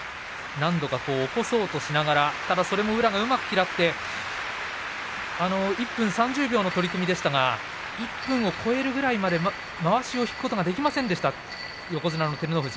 なんとか起こそうとしながらそれも宇良が嫌って１分３０秒の取組でしたが１分を超えるぐらいまでまわしを引くことができませんでした横綱照ノ富士。